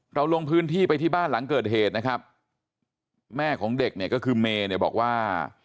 ลงพื้นที่ไปที่บ้านหลังเกิดเหตุนะครับแม่ของเด็กเนี่ยก็คือเมย์เนี่ยบอกว่า